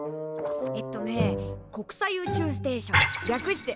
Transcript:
えっとね国際宇宙ステーション略してＩＳＳ。